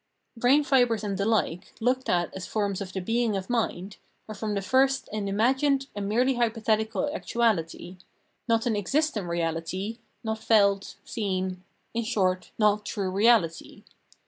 Brain fibres and the hke, looked at as forms of the being of mind, are from the first an imagined, a merely hjrpothetical actuahty — not an existent reahty, not felt, seen, in short not true reality.